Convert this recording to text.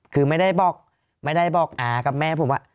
คือไม่ได้บอกไม่ได้บอกอากับแม่ผมว่า